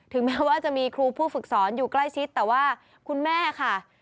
แม้ว่าจะมีครูผู้ฝึกสอนอยู่ใกล้ชิดแต่ว่าคุณแม่ค่ะ